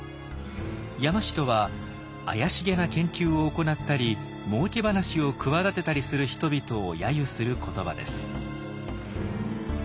山師とは怪しげな研究を行ったりもうけ話を企てたりする人々を揶揄する言葉です。